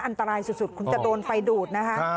อันตรายสุดคุณจะโดนไฟดูดนะคะ